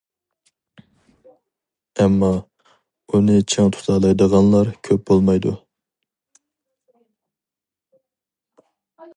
ئەمما، ئۇنى چىڭ تۇتالايدىغانلار كۆپ بولمايدۇ.